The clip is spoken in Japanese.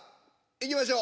いきましょう。